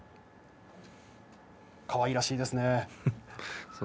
かわいらしいですね。